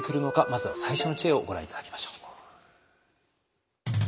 まずは最初の知恵をご覧頂きましょう。